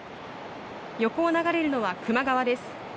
横を流れるのは球磨川です。